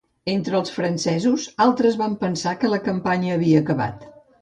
Entre els francesos, altres van pensar que la campanya havia acabat.